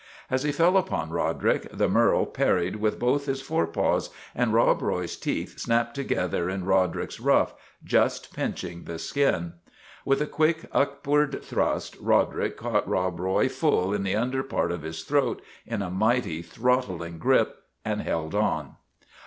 As he fell upon Roderick the merle parried with both his fore paws, and Rob Roy's teeth snapped to gether in Roderick's ruff, just pinching the skin. With a quick upward thrust Roderick caught Rob Roy full in the under part of his throat in a mighty, throttling grip, and held on.